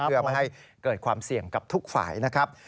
เพื่อไม่ให้เกิดความเสี่ยงกับทุกฝ่ายนะครับ